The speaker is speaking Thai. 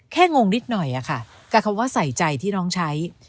งงนิดหน่อยค่ะกับคำว่าใส่ใจที่น้องใช้